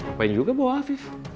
ngapain juga bawa afif